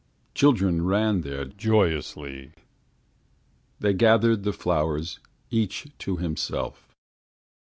Children ran there joyously. They gathered the flowers Each to himself.